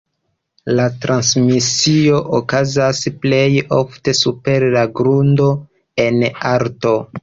La transmisio okazas plej ofte super la grundo en alto.